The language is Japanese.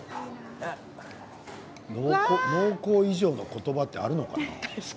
濃厚以上のことばってあるのかな？